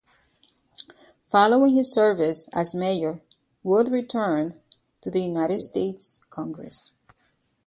Following his service as mayor, Wood returned to the United States Congress.